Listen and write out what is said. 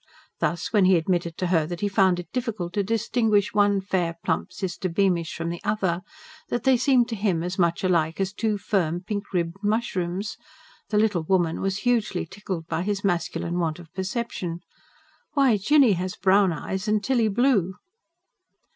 Thus, when he admitted to her that he found it difficult to distinguish one fair, plump, sister Beamish from the other; that they seemed to him as much alike as two firm, pink ribbed mushrooms, the little woman was hugely tickled by his his masculine want of perception. "Why, Jinny has brown eyes and Tilly blue!"